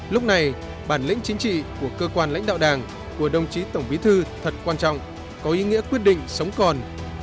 lúc này bản lĩnh chính trị của cơ quan lãnh đạo đảng của đồng chí tổng bí thư thật quan trọng có ý nghĩa quyết định sống còn